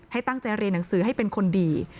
ให้ตั้งใจเรียนหนังสือให้เป็นคนดี